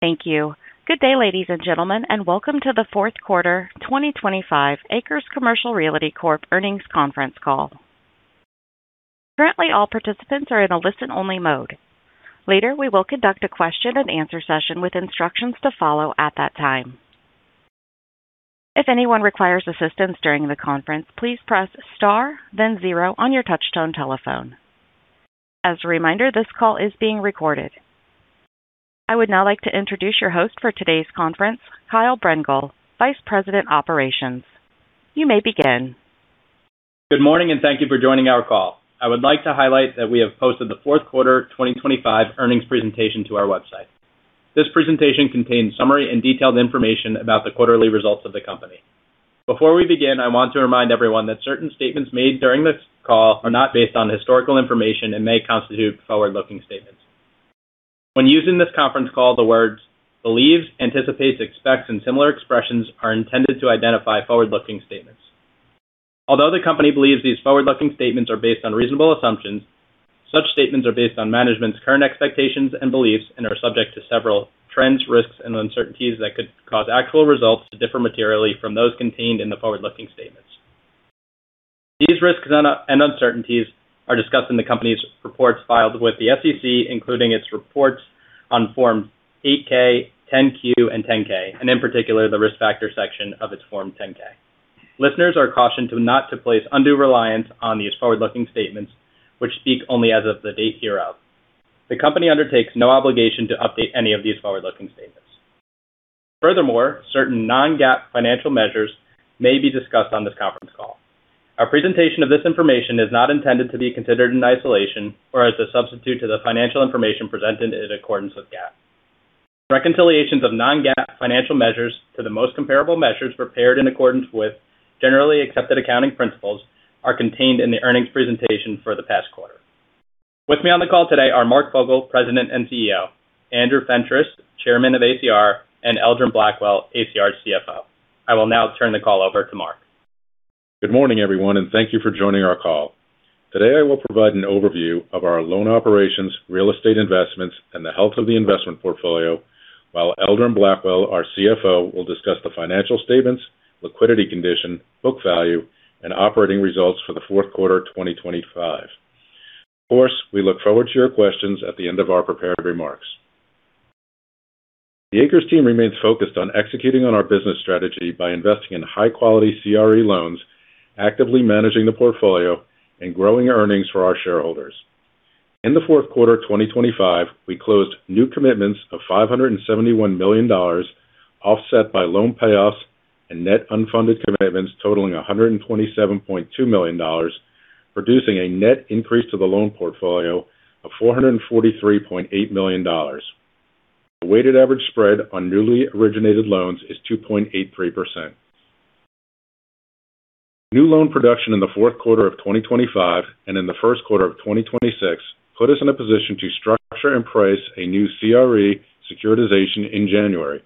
Thank you. Good day, ladies and gentlemen, and welcome to the fourth quarter 2025 ACRES Commercial Realty Corp. earnings conference call. Currently, all participants are in a listen-only mode. Later, we will conduct a question and answer session with instructions to follow at that time. If anyone requires assistance during the conference, please press Star, then 0 on your touchtone telephone. As a reminder, this call is being recorded. I would now like to introduce your host for today's conference, Kyle Brengel, Vice President, Operations. You may begin. Good morning. Thank you for joining our call. I would like to highlight that we have posted the fourth quarter 2025 earnings presentation to our website. This presentation contains summary and detailed information about the quarterly results of the company. Before we begin, I want to remind everyone that certain statements made during this call are not based on historical information and may constitute forward-looking statements. When using this conference call, the words believes, anticipates, expects, and similar expressions are intended to identify forward-looking statements. Although the company believes these forward-looking statements are based on reasonable assumptions, such statements are based on management's current expectations and beliefs and are subject to several trends, risks, and uncertainties that could cause actual results to differ materially from those contained in the forward-looking statements. These risks and uncertainties are discussed in the company's reports filed with the SEC, including its reports on Form 8K, 10Q, and 10K, and in particular, the Risk Factor section of its Form 10K. Listeners are cautioned not to place undue reliance on these forward-looking statements, which speak only as of the date hereof. The company undertakes no obligation to update any of these forward-looking statements. Furthermore, certain non-GAAP financial measures may be discussed on this conference call. Our presentation of this information is not intended to be considered in isolation or as a substitute to the financial information presented in accordance with GAAP. Reconciliations of non-GAAP financial measures to the most comparable measures prepared in accordance with generally accepted accounting principles are contained in the earnings presentation for the past quarter. With me on the call today are Mark Fogel, President and CEO, Andrew Fentress, Chairman of ACR, and Eldron Blackwell, ACR's CFO. I will now turn the call over to Mark. Good morning, everyone, and thank you for joining our call. Today, I will provide an overview of our loan operations, real estate investments, and the health of the investment portfolio, while Eldron Blackwell, our CFO, will discuss the financial statements, liquidity condition, book value, and operating results for the fourth quarter 2025. Of course, we look forward to your questions at the end of our prepared remarks. The ACRES team remains focused on executing on our business strategy by investing in high-quality CRE loans, actively managing the portfolio, and growing earnings for our shareholders. In the fourth quarter 2025, we closed new commitments of $571 million, offset by loan payoffs and net unfunded commitments totaling $127.2 million, producing a net increase to the loan portfolio of $443.8 million. The weighted average spread on newly originated loans is 2.83%. New loan production in the fourth quarter of 2025 and in the first quarter of 2026 put us in a position to structure and price a new CRE securitization in January.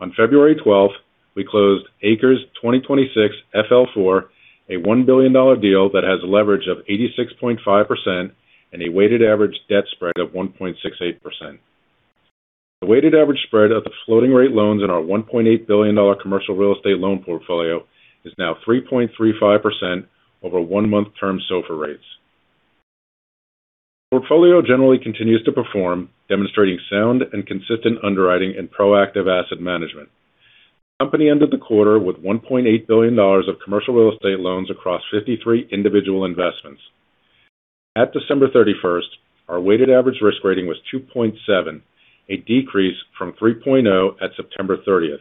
On February 12th, we closed ACRES 2026-FL4, a $1 billion deal that has a leverage of 86.5% and a weighted average debt spread of 1.68%. The weighted average spread of the floating rate loans in our $1.8 billion commercial real estate loan portfolio is now 3.35% over one-month term SOFR rates. The portfolio generally continues to perform, demonstrating sound and consistent underwriting and proactive asset management. The company ended the quarter with $1.8 billion of commercial real estate loans across 53 individual investments. At December 31st, our weighted average risk rating was 2.7, a decrease from 3.0 at September 30th,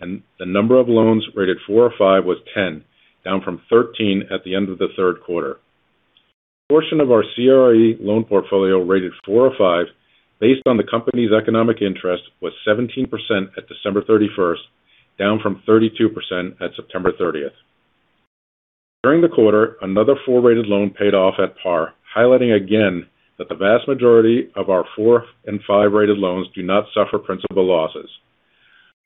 and the number of loans rated four or five was 10, down from 13 at the end of the third quarter. The portion of our CRE loan portfolio rated four or five, based on the company's economic interest, was 17% at December 31st, down from 32% at September 30th. During the quarter, another four-rated loan paid off at par, highlighting again that the vast majority of our four and five-rated loans do not suffer principal losses.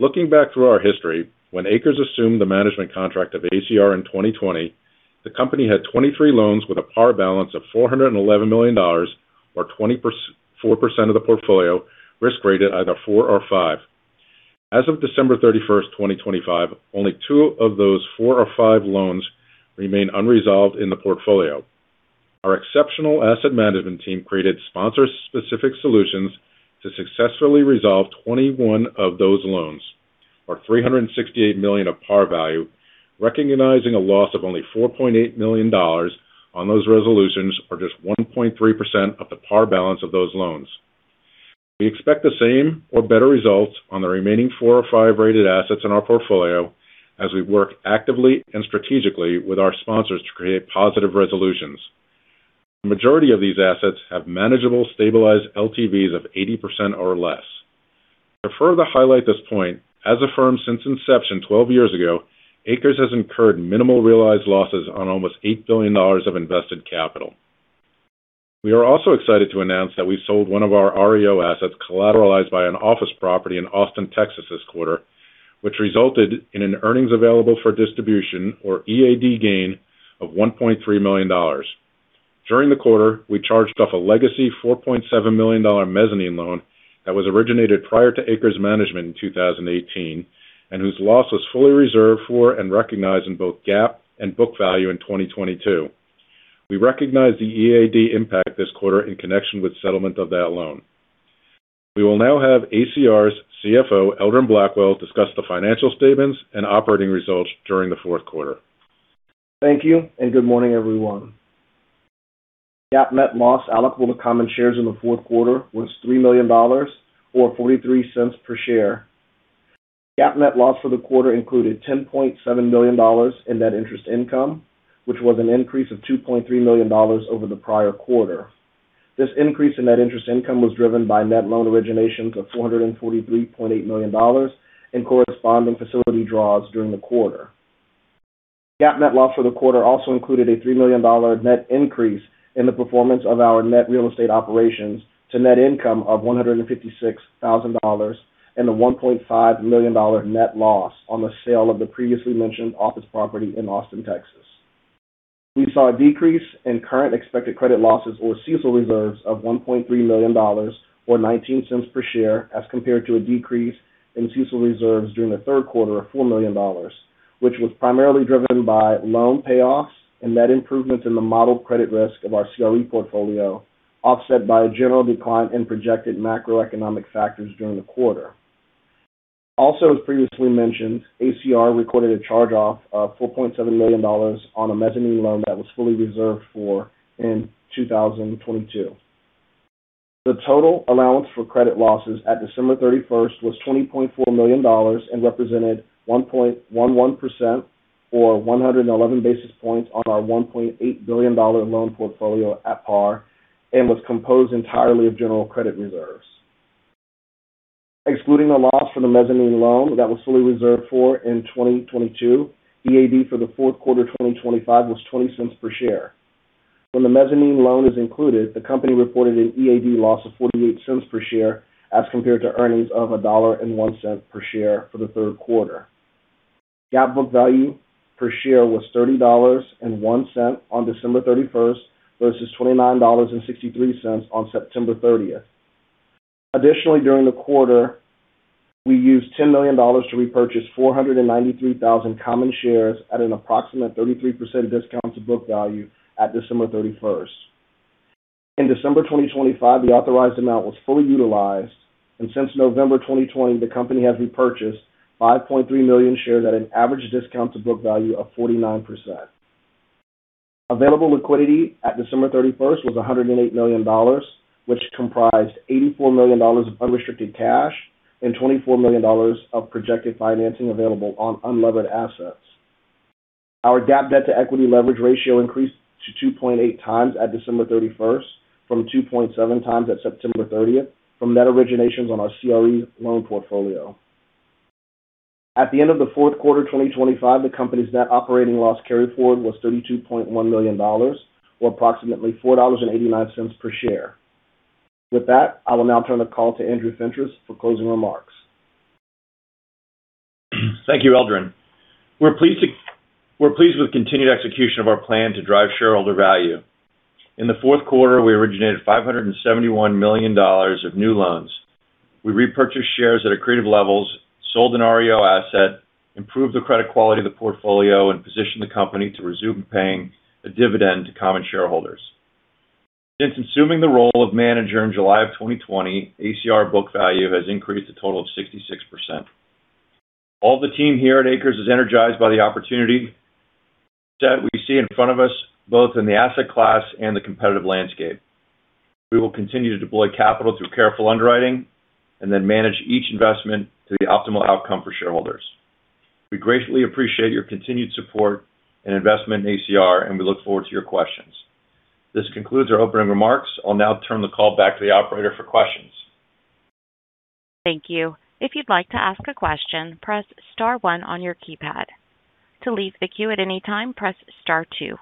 Looking back through our history, when ACRES assumed the management contract of ACR in 2020, the company had 23 loans with a par balance of $411 million, or 24% of the portfolio risk-rated either four or five. As of December 31st, 2025, only 2 of those four or five loans remain unresolved in the portfolio. Our exceptional asset management team created sponsor-specific solutions to successfully resolve 21 of those loans, or $368 million of par value, recognizing a loss of only $4.8 million on those resolutions are just 1.3% of the par balance of those loans. We expect the same or better results on the remaining four or five rated assets in our portfolio as we work actively and strategically with our sponsors to create positive resolutions. The majority of these assets have manageable stabilized LTVs of 80% or less. To further highlight this point, as a firm since inception 12 years ago, ACRES has incurred minimal realized losses on almost $8 billion of invested capital. We are also excited to announce that we sold one of our REO assets collateralized by an office property in Austin, Texas this quarter, which resulted in an earnings available for distribution or EAD gain of $1.3 million. During the quarter, we charged off a legacy $4.7 million mezzanine loan that was originated prior to ACRES management in 2018, and whose loss was fully reserved for and recognized in both GAAP and book value in 2022. We recognize the EAD impact this quarter in connection with settlement of that loan. We will now have ACR's CFO, Eldron Blackwell, discuss the financial statements and operating results during the fourth quarter. Thank you and good morning, everyone. GAAP net loss allocable to common shares in the fourth quarter was $3 million, or $0.43 per share. GAAP net loss for the quarter included $10.7 million in net interest income, which was an increase of $2.3 million over the prior quarter. This increase in net interest income was driven by net loan originations of $443.8 million in corresponding facility draws during the quarter. GAAP net loss for the quarter also included a $3 million net increase in the performance of our net real estate operations to net income of $156,000 and a $1.5 million net loss on the sale of the previously mentioned office property in Austin, Texas. We saw a decrease in current expected credit losses, or CECL reserves, of $1.3 million, or $0.19 per share, as compared to a decrease in CECL reserves during the third quarter of $4 million, which was primarily driven by loan payoffs and net improvements in the model credit risk of our CRE portfolio, offset by a general decline in projected macroeconomic factors during the quarter. Also, as previously mentioned, ACR recorded a charge-off of $4.7 million on a mezzanine loan that was fully reserved for in 2022. The total allowance for credit losses at December thirty-first was $20.4 million and represented 1.11%, or 111 basis points on our $1.8 billion loan portfolio at par, and was composed entirely of general credit reserves. Excluding the loss for the mezzanine loan that was fully reserved for in 2022, EAD for Q4 2025 was $0.20 per share. When the mezzanine loan is included, the company reported an EAD loss of $0.48 per share, as compared to earnings of $1.01 per share for Q3. GAAP book value per share was $30.01 on December 31st versus $29.63 on September 30th. During the quarter, we used $10 million to repurchase 493,000 common shares at an approximate 33% discount to book value at December 31st. In December 2025, the authorized amount was fully utilized, and since November 2020, the company has repurchased 5.3 million shares at an average discount to book value of 49%. Available liquidity at December 31st was $108 million, which comprised $84 million of unrestricted cash and $24 million of projected financing available on unlevered assets. Our GAAP debt-to-equity leverage ratio increased to 2.8 times at December 31st from 2.7 times at September 30th from net originations on our CRE loan portfolio. At the end of the fourth quarter 2025, the company's net operating loss carry forward was $32.1 million or approximately $4.89 per share. With that, I will now turn the call to Andrew Fentress for closing remarks. Thank you, Eldron. We're pleased with continued execution of our plan to drive shareholder value. In the fourth quarter, we originated $571 million of new loans. We repurchased shares at accretive levels, sold an REO asset, improved the credit quality of the portfolio, and positioned the company to resume paying a dividend to common shareholders. Since assuming the role of manager in July of 2020, ACR book value has increased a total of 66%. All the team here at Acres is energized by the opportunity that we see in front of us, both in the asset class and the competitive landscape. We will continue to deploy capital through careful underwriting and then manage each investment to the optimal outcome for shareholders. We gratefully appreciate your continued support and investment in ACR, and we look forward to your questions. This concludes our opening remarks. I'll now turn the call back to the operator for questions. Thank you. If you'd like to ask a question, press star one on your keypad. To leave the queue at any time, press star two.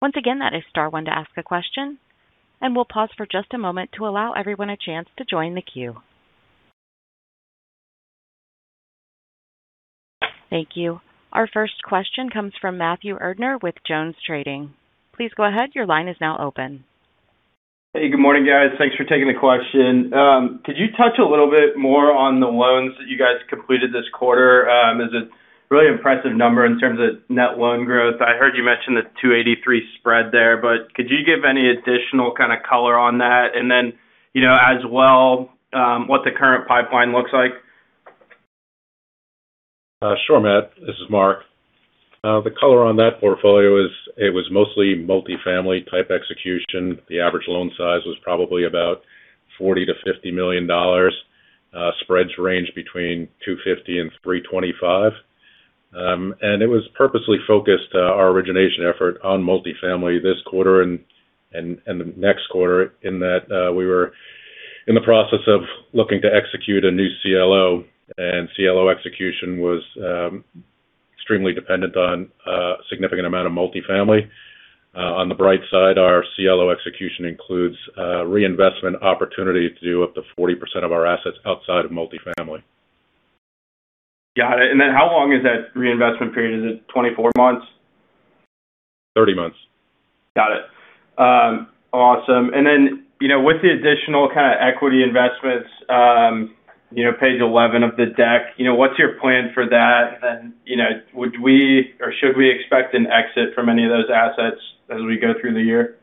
Once again, that is star one to ask a question. We'll pause for just a moment to allow everyone a chance to join the queue. Thank you. Our first question comes from Matthew Erdner with JonesTrading. Please go ahead. Your line is now open. Hey, good morning, guys. Thanks for taking the question. Could you touch a little bit more on the loans that you guys completed this quarter? It's a really impressive number in terms of net loan growth. I heard you mention the 283 spread there, but could you give any additional kind of color on that? You know, as well, what the current pipeline looks like? Sure, Matt, this is Mark. The color on that portfolio is it was mostly multi-family type execution. The average loan size was probably about $40 million-$50 million. Spreads range between 250 and 325. It was purposely focused, our origination effort on multi-family this quarter and the next quarter in that, we were in the process of looking to execute a new CLO execution was extremely dependent on significant amount of multi-family. On the bright side, our CLO execution includes reinvestment opportunity to do up to 40% of our assets outside of multi-family. Got it. Then how long is that reinvestment period? Is it 24 months? 30 months. Got it. Awesome. You know, with the additional kind of equity investments, you know, page 11 of the deck, you know, what's your plan for that? You know, would we or should we expect an exit from any of those assets as we go through the year?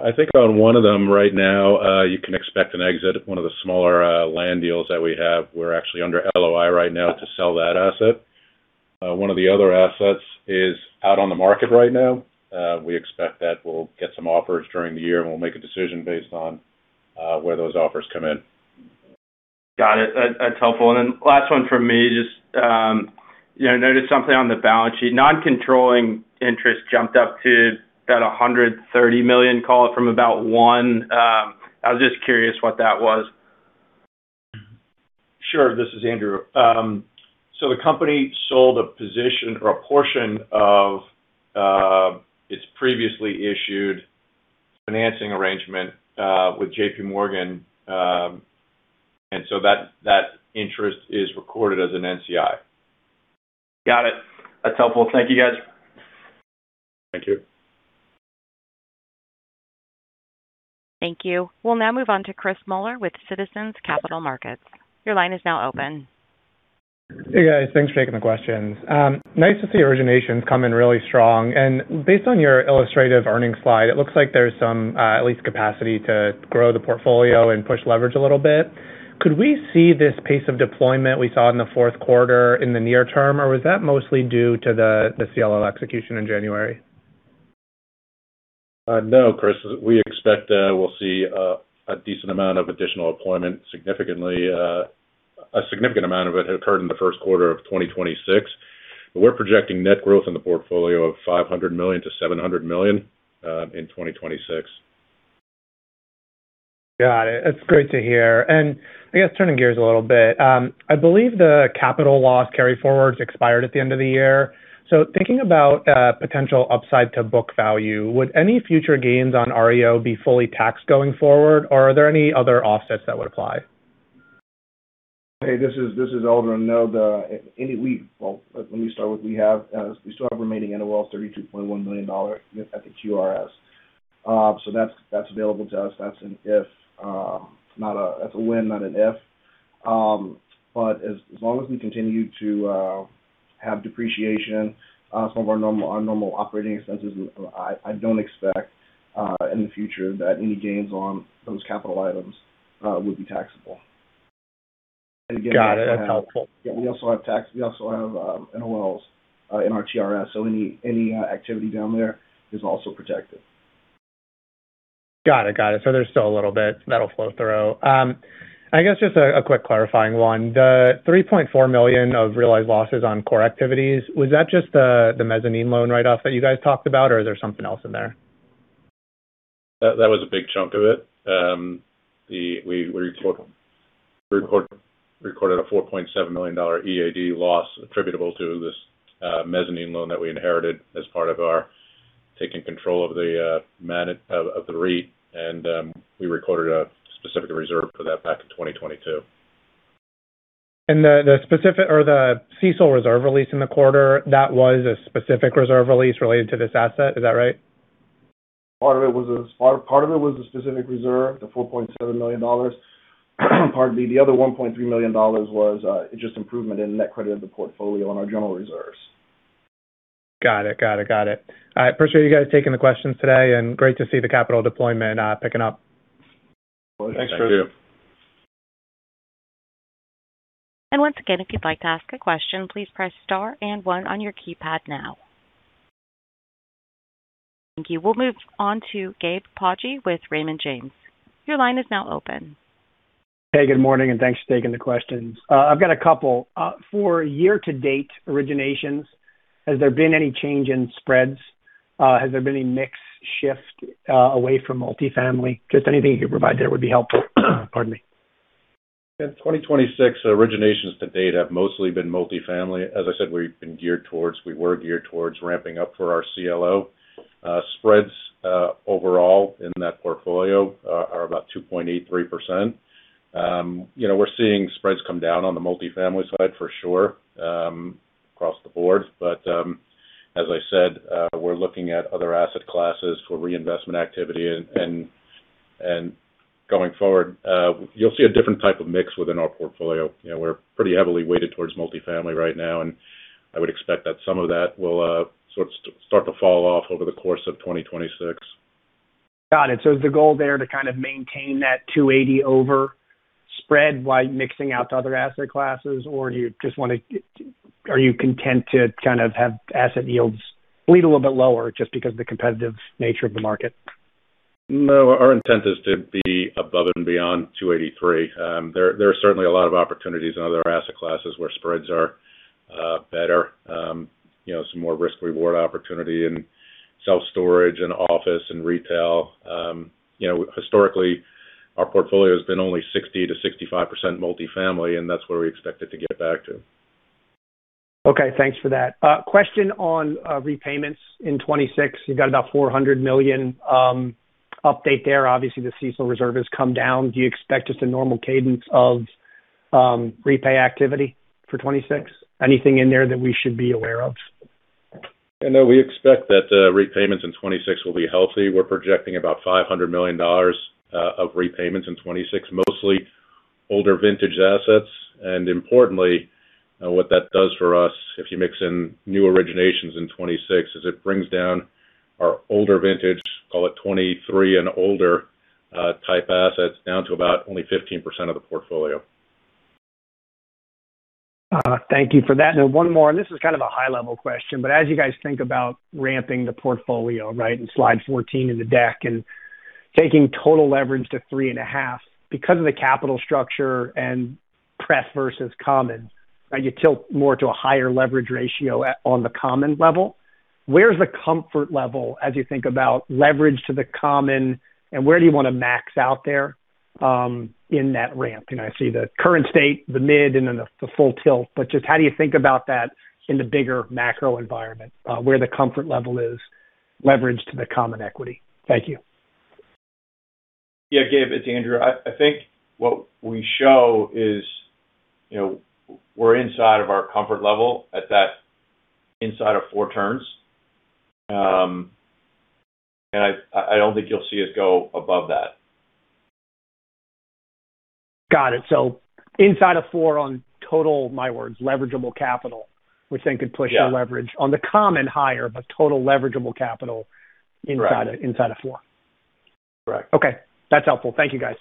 I think on one of them right now, you can expect an exit. One of the smaller, land deals that we have, we're actually under LOI right now to sell that asset. One of the other assets is out on the market right now. We expect that we'll get some offers during the year, and we'll make a decision based on where those offers come in. Got it. That's helpful. Last one from me, just, you know, noticed something on the balance sheet. Non-controlling interest jumped up to about $130 million call it from about $1 million. I was just curious what that was. Sure. This is Andrew. The company sold a position or a portion of its previously issued financing arrangement with JPMorgan. That interest is recorded as an NCI. Got it. That's helpful. Thank you, guys. Thank you. Thank you. We'll now move on to Chris Muller with Citizens Capital Markets. Your line is now open. Hey, guys. Thanks for taking the questions. Nice to see originations come in really strong. Based on your illustrative earnings slide, it looks like there's some at least capacity to grow the portfolio and push leverage a little bit. Could we see this pace of deployment we saw in the fourth quarter in the near term, or was that mostly due to the CLO execution in January? No, Chris. We expect that we'll see a decent amount of additional deployment. Significantly, a significant amount of it occurred in the first quarter of 2026. We're projecting net growth in the portfolio of $500 million-$700 million in 2026. Got it. That's great to hear. I guess turning gears a little bit, I believe the capital loss carryforwards expired at the end of the year. Thinking about potential upside to book value, would any future gains on REO be fully taxed going forward, or are there any other offsets that would apply? Hey, this is Eldron. Let me start with we still have remaining NOLs, $32.1 million at the quarters. That's available to us. That's an if. That's a when, not an if. As long as we continue to have depreciation, some of our normal operating expenses, I don't expect in the future that any gains on those capital items would be taxable. Got it. That's helpful. Yeah, we also have NOLs, in our TRS, so any activity down there is also protected. Got it. Got it. There's still a little bit that'll flow through. I guess just a quick clarifying one. The $3.4 million of realized losses on core activities, was that just the mezzanine loan write-off that you guys talked about, or is there something else in there? That was a big chunk of it. We recorded a $4.7 million EAD loss attributable to this mezzanine loan that we inherited as part of our taking control of the REIT, and we recorded a specific reserve for that back in 2022. The specific or the CECL reserve release in the quarter, that was a specific reserve release related to this asset. Is that right? Part of it was a specific reserve, the $4.7 million. Pardon me. The other $1.3 million was just improvement in net credit of the portfolio on our general reserves. Got it. I appreciate you guys taking the questions today. Great to see the capital deployment picking up. Thanks, Chris. Once again, if you'd like to ask a question, please press Star and one on your keypad now. Thank you. We'll move on to Gabriel Poggi with Raymond James. Your line is now open. Hey, good morning, thanks for taking the questions. I've got a couple. For year-to-date originations, has there been any change in spreads? Has there been any mix shift away from multifamily? Just anything you could provide there would be helpful. Pardon me. In 2026, originations to date have mostly been multifamily. As I said, we were geared towards ramping up for our CLO. Spreads overall in that portfolio are about 2.83%. You know, we're seeing spreads come down on the multifamily side for sure, across the board. As I said, we're looking at other asset classes for reinvestment activity. Going forward, you'll see a different type of mix within our portfolio. You know, we're pretty heavily weighted towards multifamily right now, and I would expect that some of that will sort of start to fall off over the course of 2026. Got it. Is the goal there to kind of maintain that 280 over spread while mixing out to other asset classes, or Are you content to kind of have asset yields bleed a little bit lower just because of the competitive nature of the market? No, our intent is to be above and beyond 283. There, there are certainly a lot of opportunities in other asset classes where spreads are better, you know, some more risk-reward opportunity in self-storage and office and retail. You know, historically, our portfolio has been only 60%-65% multifamily, and that's where we expect it to get back to. Okay, thanks for that. Question on repayments in 2026. You've got about $400 million update there. Obviously, the CECL reserve has come down. Do you expect just a normal cadence of repay activity for 2026? Anything in there that we should be aware of? No, we expect that the repayments in 2026 will be healthy. We're projecting about $500 million of repayments in 2026, mostly older vintage assets. Importantly, what that does for us, if you mix in new originations in 2026, is it brings down our older vintage, call it 2023 and older, type assets, down to about only 15% of the portfolio. Thank you for that. One more, and this is kind of a high-level question, but as you guys think about ramping the portfolio, right, in slide 14 in the deck and taking total leverage to 3.5 because of the capital structure and pref versus common, right, you tilt more to a higher leverage ratio at, on the common level. Where's the comfort level as you think about leverage to the common, and where do you want to max out there in that ramp? You know, I see the current state, the mid, and then the full tilt, but just how do you think about that in the bigger macro environment, where the comfort level is leveraged to the common equity? Thank you. Yeah, Gabe, it's Andrew. I think what we show is, you know, we're inside of our comfort level at that inside of four turns. I don't think you'll see us go above that. Got it. Inside of four on total, my words, leveragable capital, which then could push- Yeah. The leverage on the common higher, but total leveragable capital. Right. Inside of four. Correct. Okay. That's helpful. Thank you, guys.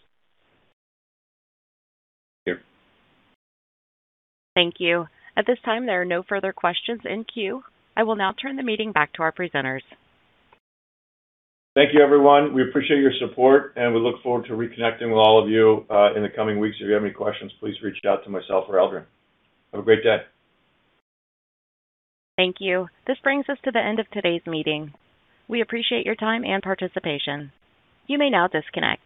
Thank you. Thank you. At this time, there are no further questions in queue. I will now turn the meeting back to our presenters. Thank you, everyone. We appreciate your support, and we look forward to reconnecting with all of you, in the coming weeks. If you have any questions, please reach out to myself or Eldron. Have a great day. Thank you. This brings us to the end of today's meeting. We appreciate your time and participation. You may now disconnect.